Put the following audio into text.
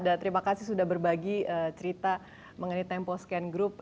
dan terima kasih sudah berbagi cerita mengenai tempo scan group